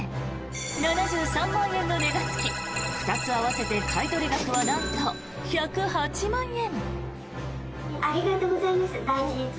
７３万円の値がつき２つ合わせて買い取り額はなんと１０８万円。